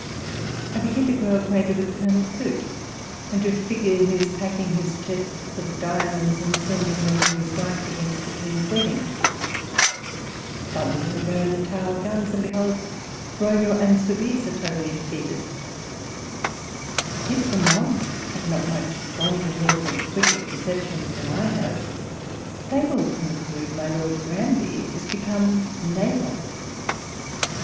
I begin to grow acquainted with Colonel Coote, and to figure his packing ]ip chests of diaiopnds, and sending them to his 84 walpole's letters. wife against the King's wedding — thunder go the Tower guns, and behold, Broglio and Soubise are totally defeated ; if the mob have not much stronger heads and quicker conceptions than I have, they will conclude my Lord Granby is be come nabob.